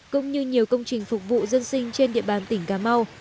cũng như nhiều công trình phục vụ dân sinh trên địa bàn tỉnh cà mau